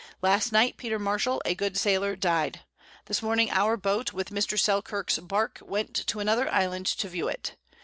Last Night Peter Marshal a good Sailor died. This Morning our Boat with Mr. Selkirk's Bark went to another Island to view it.